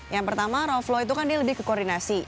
yang pertama role flow itu kan dia lebih ke koordinasi